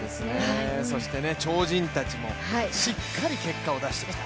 そして超人たちもしっかり結果を出してきたと。